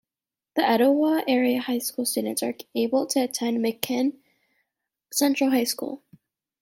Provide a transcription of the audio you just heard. The Etowah area high school students are able to attend McMinn Central High School.